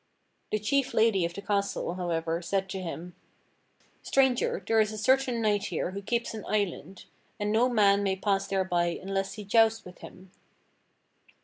The chief lady of the castle, however, said to him: "Stranger, there is a certain knight here who keeps an island, and no man may pass thereby unless he joust with him."